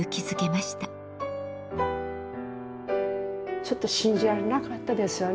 ちょっと信じられなかったですよね。